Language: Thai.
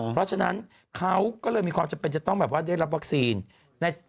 เพราะฉะนั้นเขาก็เลยมีความจำเป็นจะต้องแบบว่าได้รับวัคซีน